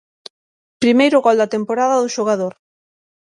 Primeiro gol da temporada do xogador.